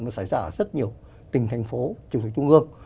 mà xảy ra ở rất nhiều tỉnh thành phố trường thị trung ương